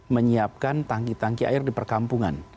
menyiapkan tangki tangki air di perkampungan